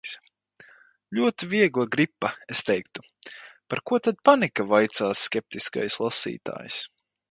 Ļoti viegla gripa, es teiktu. Par ko tad panika, vaicās skeptiskais lasītājs.